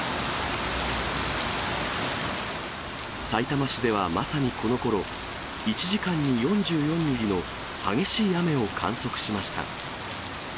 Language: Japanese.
さいたま市ではまさにこのころ、１時間に４４ミリの激しい雨を観測しました。